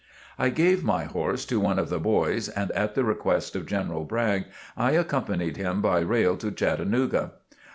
I gave my horse to one of "the boys," and at the request of General Bragg, I accompanied him by rail to Chattanooga.